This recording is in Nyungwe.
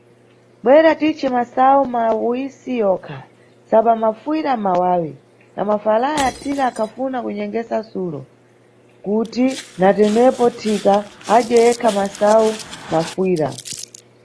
Bwera titce masayu mawisi yonka, sobwa mafuyira mʼmawawi Na mafalaya, Thika akhafuna kunyengeza Sulo, kuti na tenepo Thika adye yekha masayu mafuyira.